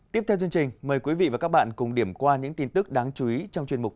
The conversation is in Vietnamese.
tiếp theo chương trình mời quý vị và các bạn cùng điểm qua những tin tức đáng chú ý trong chuyên mục